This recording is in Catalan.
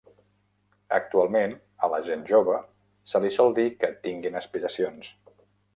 Actualment a la gent jove se li sol dir que tinguin aspiracions.